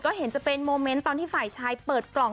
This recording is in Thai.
ก็เห็นจะเป็นโมเมนต์ตอนที่ฝ่ายชายเปิดกล่อง